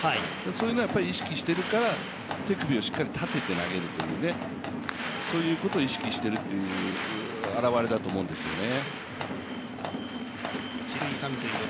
そういうのは意識しているから手首をしっかり立てて投げるというそういうことを意識している現れだと思うんですよね。